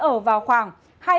ở vào khoảng